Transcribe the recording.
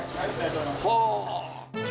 ほう。